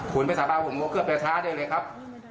คุณไปสาบานก่อนคุณโลกเครื่องเป็นท้าได้เลยครับ